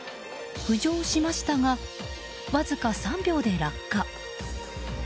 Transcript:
浮上しましたがわずか３秒で落下。